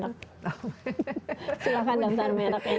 silahkan daftar mereknya